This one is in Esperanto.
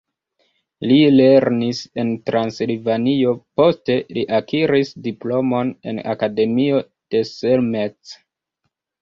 Li lernis en Transilvanio, poste li akiris diplomon en Akademio de Selmec.